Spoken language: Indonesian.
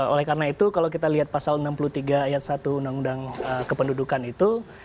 oleh karena itu kalau kita lihat pasal enam puluh tiga ayat satu undang undang kependudukan itu